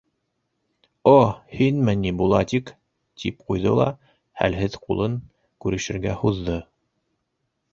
— О, һинме ни Булатик? — тип ҡуйҙы ла хәлһеҙ ҡулын күрешергә һуҙҙы.